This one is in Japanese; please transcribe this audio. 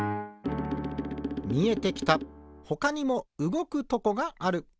みえてきたほかにもうごくとこがある。